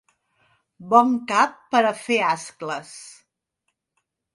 Bon cap per a fer ascles!